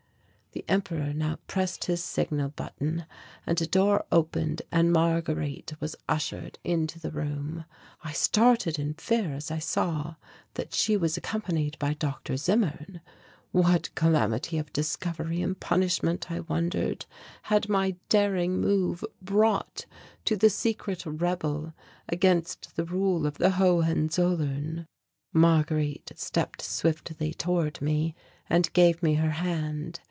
The Emperor now pressed his signal button and a door opened and Marguerite was ushered into the room. I started in fear as I saw that she was accompanied by Dr. Zimmern. What calamity of discovery and punishment, I wondered, had my daring move brought to the secret rebel against the rule of the Hohenzollern? Marguerite stepped swiftly toward me and gave me her hand.